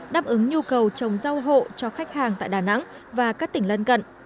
đáp ứng nhu cầu trồng rau hộ cho khách hàng tại đà nẵng và các tỉnh lân cận